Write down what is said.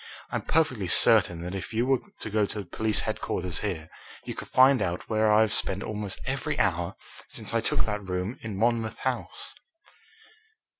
I'm perfectly certain that if you were to go to police headquarters here, you could find out where I have spent almost every hour since I took that room in Monmouth House."